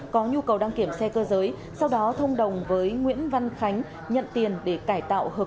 có nhu cầu đăng kiểm xe cơ giới sau đó thông đồng với nguyễn văn khánh nhận tiền để cải tạo hợp